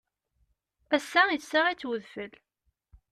Ass-a, issaɣ-itt udfel.